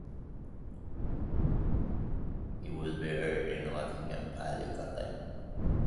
He was buried in Audinghen, Pas-de-Calais.